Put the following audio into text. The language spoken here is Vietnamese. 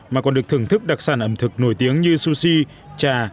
mà còn được thưởng thức đặc sản ẩm thực nổi tiếng như sushi trà